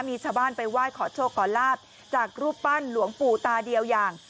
มีชาวบ้านไปไหว้ขอโชคขอลาบจากรูปปั้นหลวงปู่ตาเดียวอย่าง